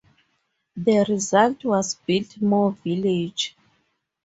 The result was Biltmore Village.